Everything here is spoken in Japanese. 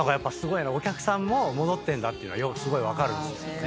お客さんも戻ってんだっていうのがすごい分かる。